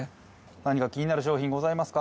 何か気になる商品ございますか？